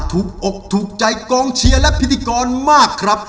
ถูกอกถูกใจกองเชียร์และพิธีกรมากครับ